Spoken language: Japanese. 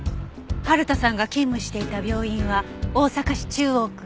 春田さんが勤務していた病院は大阪市中央区。